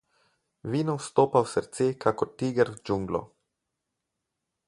Vino vstopa v srce kakor tiger v džunglo.